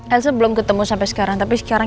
elsa belum ketemu sampai sekarang tapi sekarang